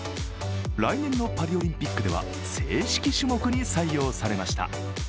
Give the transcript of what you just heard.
来年のパリオリンピックでは正式種目に採用されました。